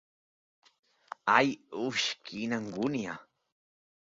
Ai, uix, quina angúnia!